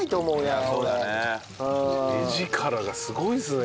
画力がすごいっすね！